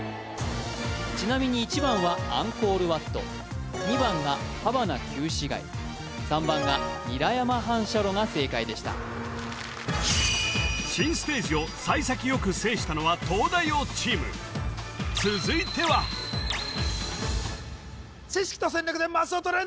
ちなみに１番はアンコール・ワット２番がハバナ旧市街３番がにらやま反射炉が正解でした新ステージを幸先よく制したのは東大王チーム続いては知識と戦略でマスを取れ！